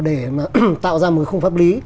để tạo ra một khung pháp lý